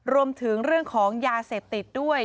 รวมถึงเรื่องของยาเสพติดด้วย